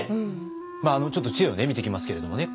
まああのちょっと知恵を見ていきますけれどもね